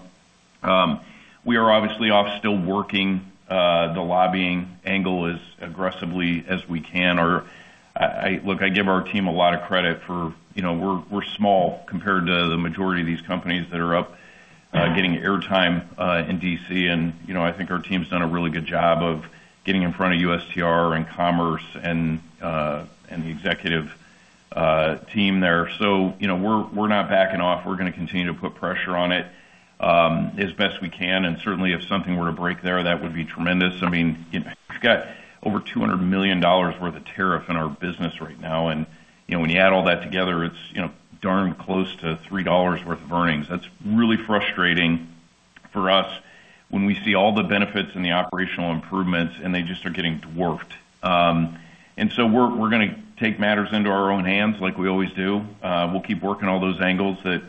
We are obviously still working the lobbying angle as aggressively as we can. Look, I give our team a lot of credit for we're small compared to the majority of these companies that are up getting airtime in D.C. And I think our team's done a really good job of getting in front of USTR and Commerce and the executive team there. So we're not backing off. We're going to continue to put pressure on it as best we can. And certainly, if something were to break there, that would be tremendous. I mean, we've got over $200 million worth of tariff in our business right now. And when you add all that together, it's darn close to $3 worth of earnings. That's really frustrating for us when we see all the benefits and the operational improvements, and they just are getting dwarfed. And so we're going to take matters into our own hands like we always do. We'll keep working all those angles that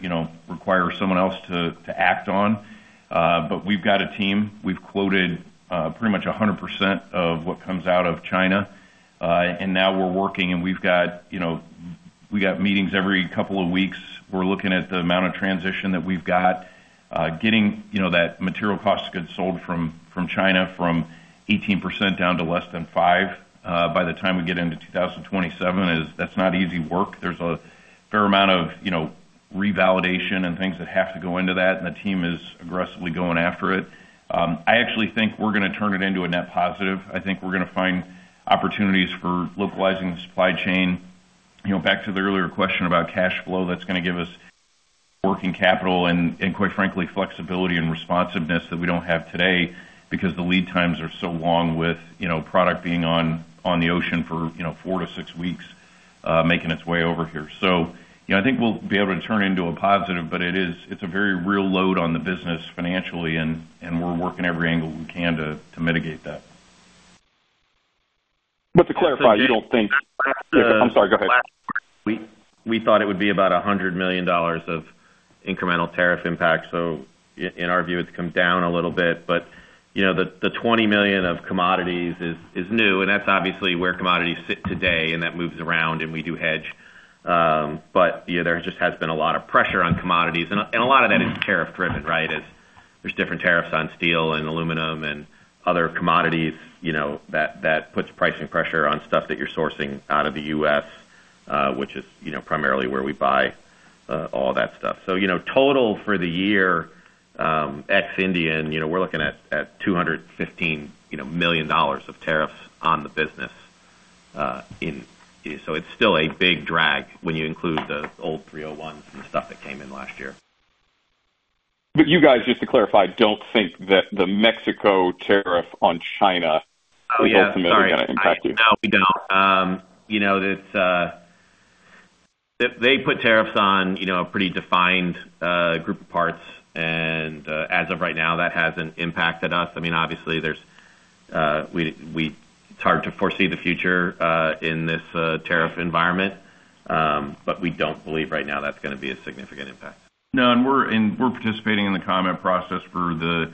require someone else to act on. But we've got a team. We've quoted pretty much 100% of what comes out of China. And now we're working, and we've got meetings every couple of weeks. We're looking at the amount of transition that we've got. Getting that material cost goods sold from China from 18% down to less than 5% by the time we get into 2027, that's not easy work. There's a fair amount of revalidation and things that have to go into that, and the team is aggressively going after it. I actually think we're going to turn it into a net positive. I think we're going to find opportunities for localizing the supply chain. Back to the earlier question about cash flow, that's going to give us working capital and, quite frankly, flexibility and responsiveness that we don't have today because the lead times are so long with product being on the ocean for 4 weeks-6 weeks making its way over here. So I think we'll be able to turn it into a positive, but it's a very real load on the business financially, and we're working every angle we can to mitigate that. But to clarify, you don't think. I'm sorry, go ahead. We thought it would be about $100 million of incremental tariff impact. So in our view, it's come down a little bit. But the $20 million of commodities is new. And that's obviously where commodities sit today, and that moves around, and we do hedge. But there just has been a lot of pressure on commodities. And a lot of that is tariff-driven, right? There's different tariffs on steel and aluminum and other commodities that put pricing pressure on stuff that you're sourcing out of the U.S., which is primarily where we buy all that stuff. So total for the year ex-Indian, we're looking at $215 million of tariffs on the business. So it's still a big drag when you include the old 301s and stuff that came in last year. You guys, just to clarify, don't think that the Mexico tariff on China is ultimately going to impact you. No, we don't. They put tariffs on a pretty defined group of parts. As of right now, that hasn't impacted us. I mean, obviously, it's hard to foresee the future in this tariff environment, but we don't believe right now that's going to be a significant impact. No, and we're participating in the comment process for the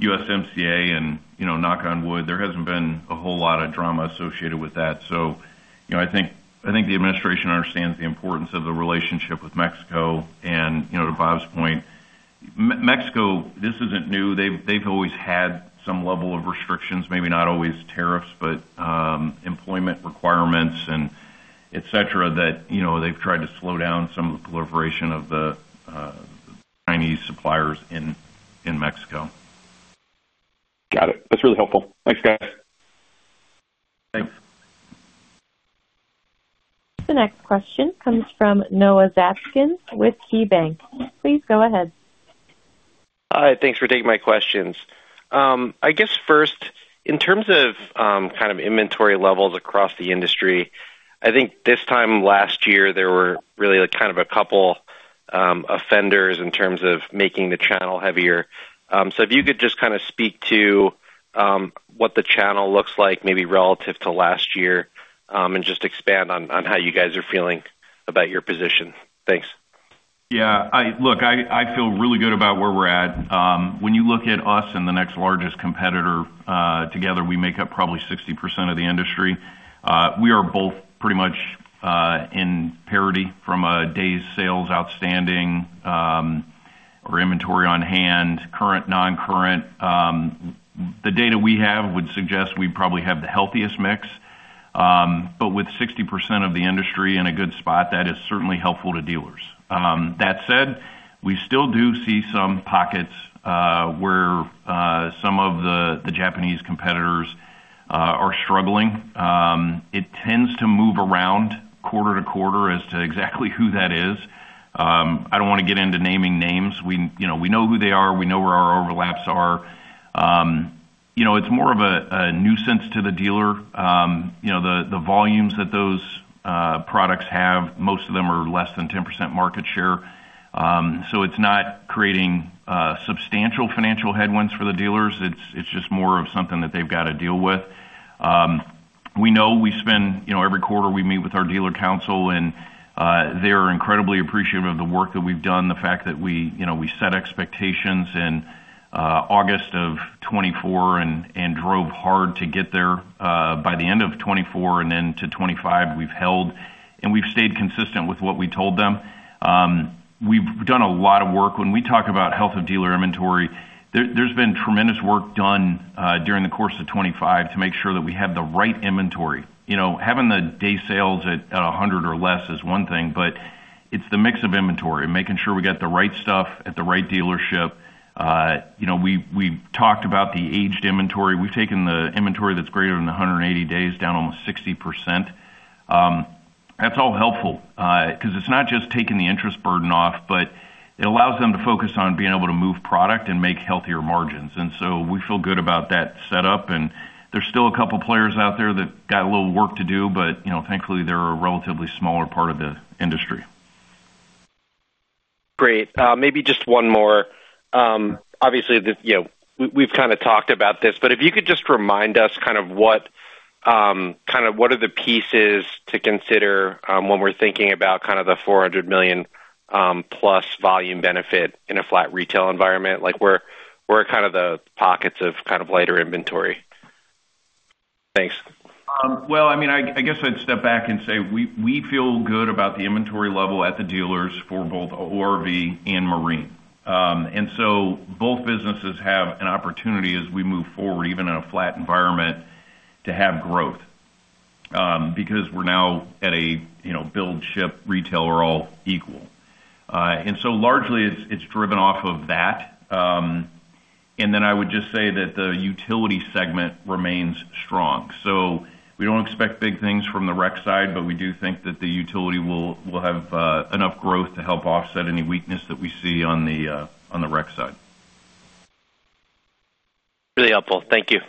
USMCA and knock on wood. There hasn't been a whole lot of drama associated with that. So I think the administration understands the importance of the relationship with Mexico. And to Bob's point, Mexico, this isn't new. They've always had some level of restrictions, maybe not always tariffs, but employment requirements, etc., that they've tried to slow down some of the proliferation of the Chinese suppliers in Mexico. Got it. That's really helpful. Thanks, guys. Thanks. The next question comes from Noah Zatzkin with KeyBanc. Please go ahead. Hi. Thanks for taking my questions. I guess first, in terms of kind of inventory levels across the industry, I think this time last year, there were really kind of a couple of offenders in terms of making the channel heavier. So if you could just kind of speak to what the channel looks like maybe relative to last year and just expand on how you guys are feeling about your position? Thanks. Yeah. Look, I feel really good about where we're at. When you look at us and the next largest competitor together, we make up probably 60% of the industry. We are both pretty much in parity from a days sales outstanding or inventory on hand, current, non-current. The data we have would suggest we probably have the healthiest mix. But with 60% of the industry in a good spot, that is certainly helpful to dealers. That said, we still do see some pockets where some of the Japanese competitors are struggling. It tends to move around quarter to quarter as to exactly who that is. I don't want to get into naming names. We know who they are. We know where our overlaps are. It's more of a nuisance to the dealer. The volumes that those products have, most of them are less than 10% market share. So it's not creating substantial financial headwinds for the dealers. It's just more of something that they've got to deal with. We know we spend every quarter, we meet with our dealer council, and they are incredibly appreciative of the work that we've done, the fact that we set expectations in August of 2024 and drove hard to get there by the end of 2024. And then to 2025, we've held, and we've stayed consistent with what we told them. We've done a lot of work. When we talk about health of dealer inventory, there's been tremendous work done during the course of 2025 to make sure that we have the right inventory. Having the days sales at 100 or less is one thing, but it's the mix of inventory and making sure we got the right stuff at the right dealership. We've talked about the aged inventory. We've taken the inventory that's greater than 180 days down almost 60%. That's all helpful because it's not just taking the interest burden off, but it allows them to focus on being able to move product and make healthier margins. And so we feel good about that setup. And there's still a couple of players out there that got a little work to do, but thankfully, they're a relatively smaller part of the industry. Great. Maybe just one more. Obviously, we've kind of talked about this, but if you could just remind us kind of what are the pieces to consider when we're thinking about kind of the $400 million+ volume benefit in a flat retail environment? We're kind of the pockets of kind of lighter inventory. Thanks. Well, I mean, I guess I'd step back and say we feel good about the inventory level at the dealers for both ORV and Marine. And so both businesses have an opportunity as we move forward, even in a flat environment, to have growth because we're now at a build, ship, retail are all equal. And so largely, it's driven off of that. And then I would just say that the utility segment remains strong. So we don't expect big things from the rec side, but we do think that the utility will have enough growth to help offset any weakness that we see on the rec side. Really helpful. Thank you.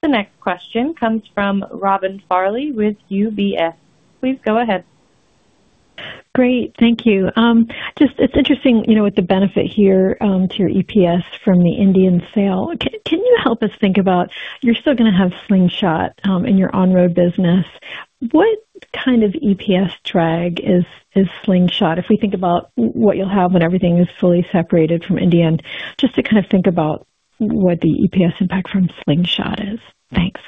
The next question comes from Robin Farley with UBS. Please go ahead. Great. Thank you. It's interesting with the benefit here to your EPS from the Indian sale. Can you help us think about you're still going to have Slingshot in your on-road business. What kind of EPS drag is Slingshot if we think about what you'll have when everything is fully separated from Indian? Just to kind of think about what the EPS impact from Slingshot is. Thanks.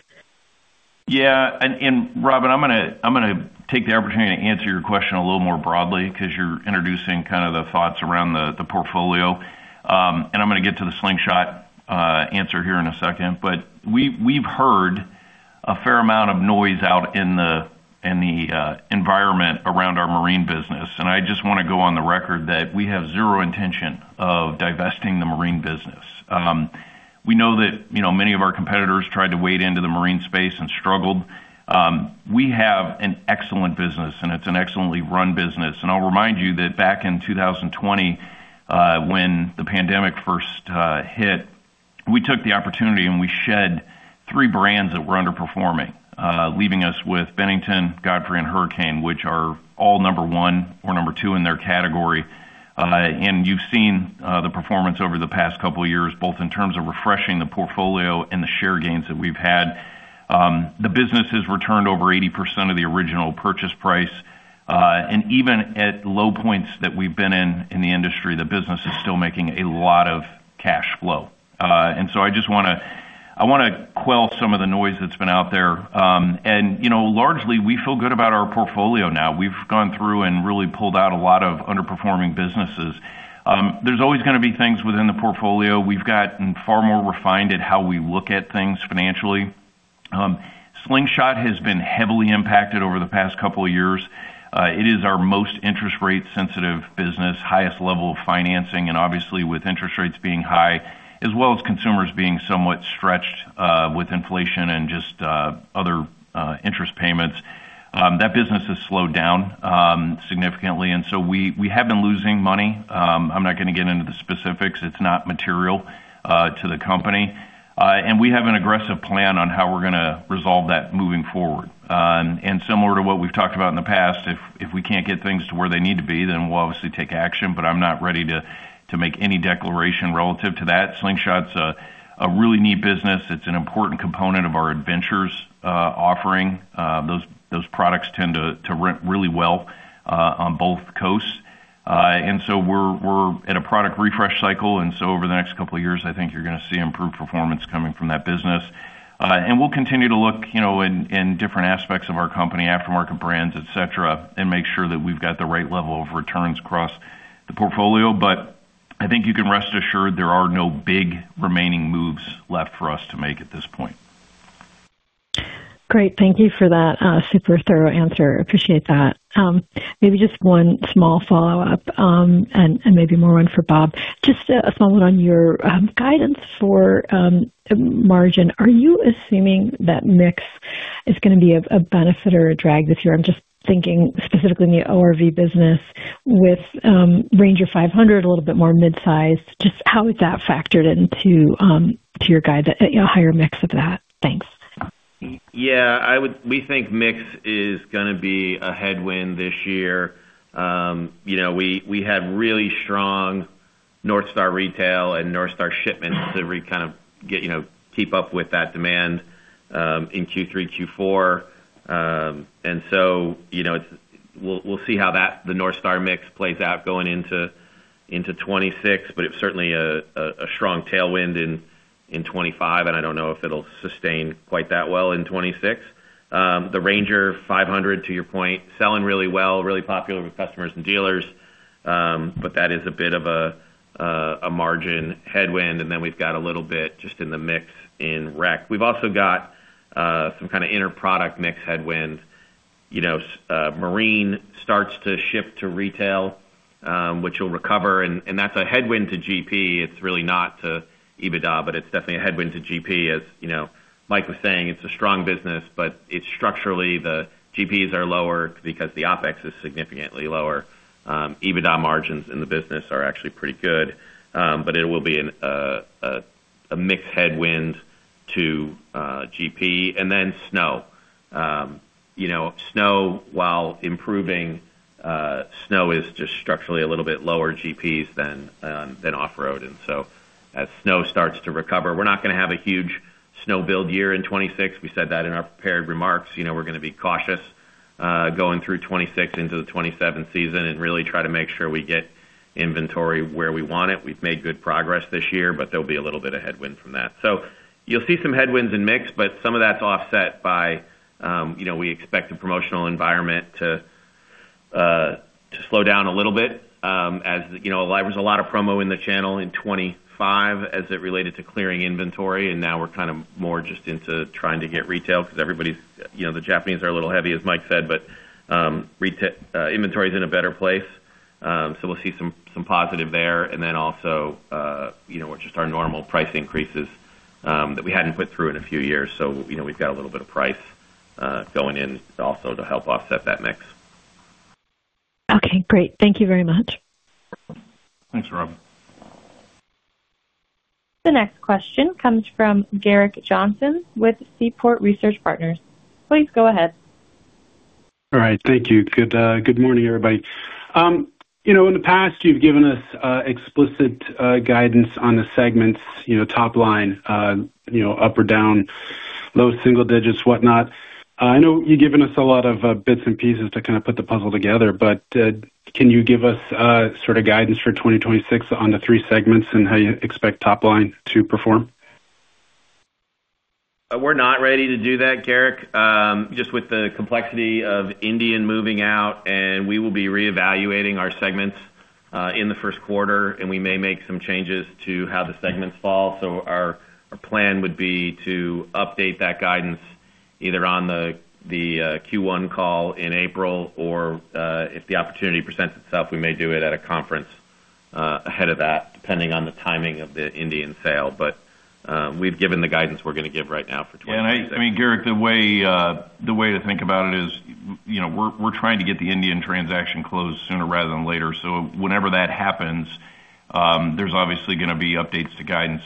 Yeah. And Robin, I'm going to take the opportunity to answer your question a little more broadly because you're introducing kind of the thoughts around the portfolio. And I'm going to get to the Slingshot answer here in a second. But we've heard a fair amount of noise out in the environment around our marine business. And I just want to go on the record that we have zero intention of divesting the marine business. We know that many of our competitors tried to wade into the marine space and struggled. We have an excellent business, and it's an excellently run business. And I'll remind you that back in 2020, when the pandemic first hit, we took the opportunity and we shed three brands that were underperforming, leaving us with Bennington, Godfrey, and Hurricane, which are all number one or number two in their category. You've seen the performance over the past couple of years, both in terms of refreshing the portfolio and the share gains that we've had. The business has returned over 80% of the original purchase price. Even at low points that we've been in in the industry, the business is still making a lot of cash flow. So I just want to quell some of the noise that's been out there. Largely, we feel good about our portfolio now. We've gone through and really pulled out a lot of underperforming businesses. There's always going to be things within the portfolio. We've gotten far more refined at how we look at things financially. Slingshot has been heavily impacted over the past couple of years. It is our most interest-rate-sensitive business, highest level of financing, and obviously, with interest rates being high, as well as consumers being somewhat stretched with inflation and just other interest payments. That business has slowed down significantly. And so we have been losing money. I'm not going to get into the specifics. It's not material to the company. And we have an aggressive plan on how we're going to resolve that moving forward. And similar to what we've talked about in the past, if we can't get things to where they need to be, then we'll obviously take action. But I'm not ready to make any declaration relative to that. Slingshot's a really neat business. It's an important component of our adventures offering. Those products tend to rent really well on both coasts. And so we're at a product refresh cycle. Over the next couple of years, I think you're going to see improved performance coming from that business. We'll continue to look in different aspects of our company, aftermarket brands, etc., and make sure that we've got the right level of returns across the portfolio. I think you can rest assured there are no big remaining moves left for us to make at this point. Great. Thank you for that super thorough answer. Appreciate that. Maybe just one small follow-up and maybe more one for Bob. Just a follow-up on your guidance for margin. Are you assuming that mix is going to be a benefit or a drag this year? I'm just thinking specifically in the ORV business with Ranger 500, a little bit more mid-sized. Just how is that factored into your guide, a higher mix of that? Thanks. Yeah. We think mix is going to be a headwind this year. We had really strong NorthStar retail and NorthStar shipments to kind of keep up with that demand in Q3, Q4. And so we'll see how the NorthStar mix plays out going into 2026, but it's certainly a strong tailwind in 2025. And I don't know if it'll sustain quite that well in 2026. The Ranger 500, to your point, selling really well, really popular with customers and dealers. But that is a bit of a margin headwind. And then we've got a little bit just in the mix in RZR. We've also got some kind of in our product mix headwind. Marine starts to shift to retail, which will recover. And that's a headwind to GP. It's really not to EBITDA, but it's definitely a headwind to GP. As Mike was saying, it's a strong business, but structurally, the GPs are lower because the OpEx is significantly lower. EBITDA margins in the business are actually pretty good, but it will be a mixed headwind to GP. And then snow. Snow, while improving, snow is just structurally a little bit lower GPs than off-road. And so as snow starts to recover, we're not going to have a huge snow build year in 2026. We said that in our prepared remarks. We're going to be cautious going through 2026 into the 2027 season and really try to make sure we get inventory where we want it. We've made good progress this year, but there'll be a little bit of headwind from that. So you'll see some headwinds in mix, but some of that's offset by we expect the promotional environment to slow down a little bit. There was a lot of promo in the channel in 2025 as it related to clearing inventory. Now we're kind of more just into trying to get retail because everybody's the Japanese are a little heavy, as Mike said, but inventory is in a better place. We'll see some positive there. Then also just our normal price increases that we hadn't put through in a few years. We've got a little bit of price going in also to help offset that mix. Okay. Great. Thank you very much. Thanks, Robin. The next question comes from Gerrick Johnson with Seaport Research Partners. Please go ahead. All right. Thank you. Good morning, everybody. In the past, you've given us explicit guidance on the segments, top line, up or down, low single digits, whatnot. I know you've given us a lot of bits and pieces to kind of put the puzzle together, but can you give us sort of guidance for 2026 on the three segments and how you expect top line to perform? We're not ready to do that, Gerrick, just with the complexity of Indian moving out. We will be reevaluating our segments in the first quarter, and we may make some changes to how the segments fall. Our plan would be to update that guidance either on the Q1 call in April, or if the opportunity presents itself, we may do it at a conference ahead of that, depending on the timing of the Indian sale. We've given the guidance we're going to give right now for 2026. Yeah. And I mean, Gerrick, the way to think about it is we're trying to get the Indian transaction closed sooner rather than later. So whenever that happens, there's obviously going to be updates to guidance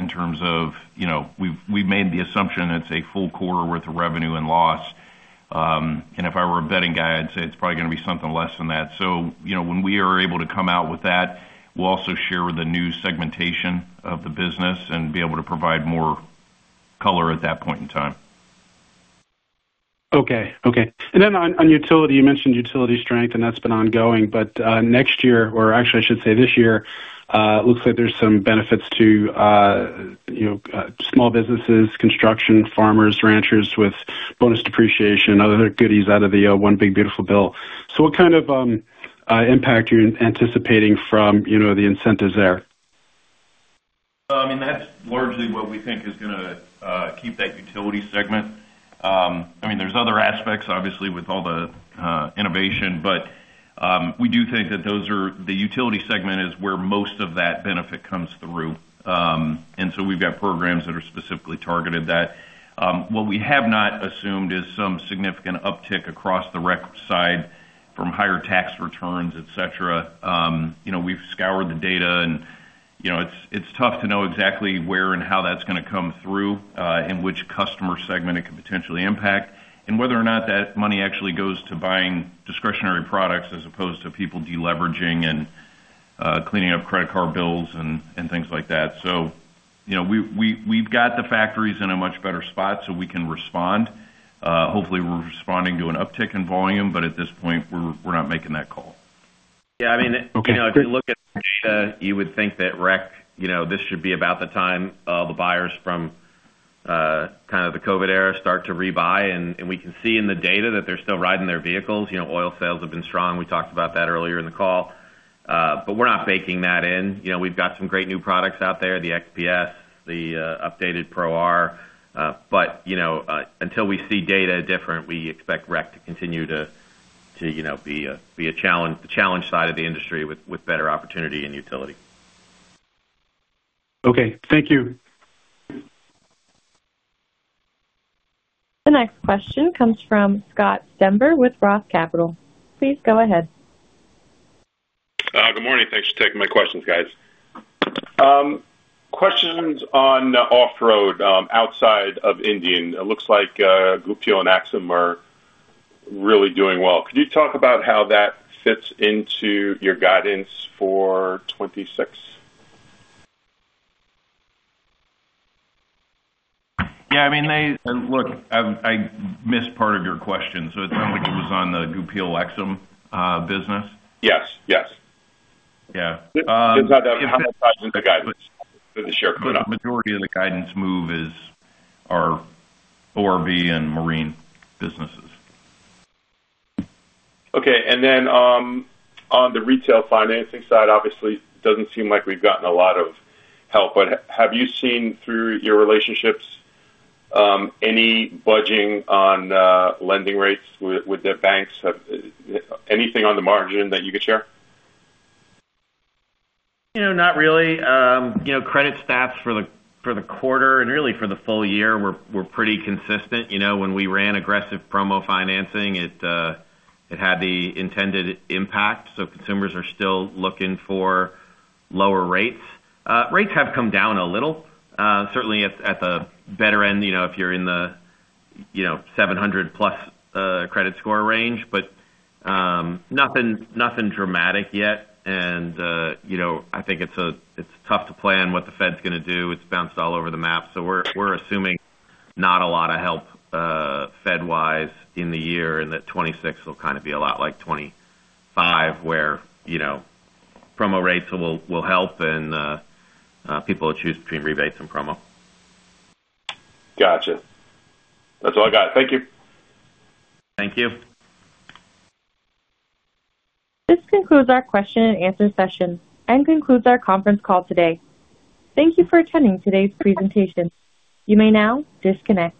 in terms of we've made the assumption it's a full quarter worth of revenue and loss. And if I were a betting guy, I'd say it's probably going to be something less than that. So when we are able to come out with that, we'll also share with the new segmentation of the business and be able to provide more color at that point in time. Okay. Okay. And then on utility, you mentioned utility strength, and that's been ongoing. But next year, or actually, I should say this year, looks like there's some benefits to small businesses, construction, farmers, ranchers with Bonus Depreciation, other goodies out of the One Big Beautiful Bill. So what kind of impact are you anticipating from the incentives there? I mean, that's largely what we think is going to keep that utility segment. I mean, there's other aspects, obviously, with all the innovation, but we do think that the utility segment is where most of that benefit comes through. And so we've got programs that are specifically targeted that. What we have not assumed is some significant uptick across the rec side from higher tax returns, etc. We've scoured the data, and it's tough to know exactly where and how that's going to come through and which customer segment it could potentially impact and whether or not that money actually goes to buying discretionary products as opposed to people deleveraging and cleaning up credit card bills and things like that. So we've got the factories in a much better spot so we can respond. Hopefully, we're responding to an uptick in volume, but at this point, we're not making that call. Yeah. I mean, if you look at the data, you would think that rec, this should be about the time the buyers from kind of the COVID era start to rebuy. And we can see in the data that they're still riding their vehicles. All sales have been strong. We talked about that earlier in the call. But we're not baking that in. We've got some great new products out there, the XPs, the updated Pro R. But until we see data different, we expect rec to continue to be the challenge side of the industry with better opportunity and utility. Okay. Thank you. The next question comes from Scott Stember with Roth Capital. Please go ahead. Good morning. Thanks for taking my questions, guys. Questions on off-road outside of Indian. It looks like Goupil and Aixam are really doing well. Could you talk about how that fits into your guidance for 2026? Yeah. I mean. And look, I missed part of your question. So it sounds like it was on the Goupil-Aixam business. Yes. Yes. Yeah. How much of the guidance for the share coming up? The majority of the guidance move are ORV and marine businesses. Okay. And then on the retail financing side, obviously, it doesn't seem like we've gotten a lot of help. But have you seen through your relationships any budging on lending rates with the banks? Anything on the margin that you could share? Not really. Credit stats for the quarter and really for the full year, we're pretty consistent. When we ran aggressive promo financing, it had the intended impact. So consumers are still looking for lower rates. Rates have come down a little, certainly at the better end if you're in the 700+ credit score range, but nothing dramatic yet. And I think it's tough to plan what the Fed's going to do. It's bounced all over the map. So we're assuming not a lot of help Fed-wise in the year. And that 2026 will kind of be a lot like 2025, where promo rates will help and people will choose between rebates and promo. Got you. That's all I got. Thank you. Thank you. This concludes our question and answer session and concludes our conference call today. Thank you for attending today's presentation. You may now disconnect.